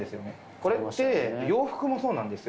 これって、洋服もそうなんですよ。